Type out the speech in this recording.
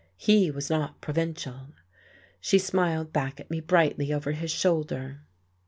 He was not provincial. She smiled back at me brightly over his shoulder....